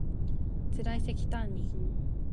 つらいせきたんに